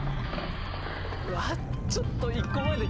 うわっちょっと。